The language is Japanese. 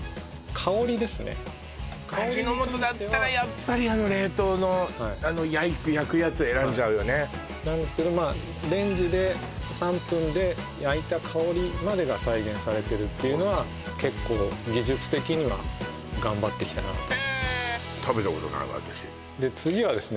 香りに関しては味の素だったらやっぱりあの冷凍のあの焼くやつ選んじゃうよねなんですけどまあレンジで３分で焼いた香りまでが再現されてるっていうのは結構技術的には頑張ってきたなとへえっ食べたことないわ私で次はですね